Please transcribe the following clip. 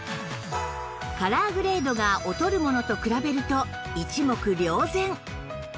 カラーグレードが劣るものと比べると一目瞭然